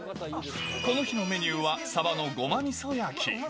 この日のメニューはサバのゴマみそ焼き。